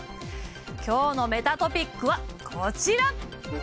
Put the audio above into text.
今日のメタトピックはこちら。